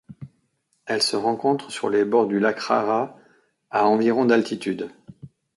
Elle se rencontre sur les bords du lac Rara à environ d'altitude.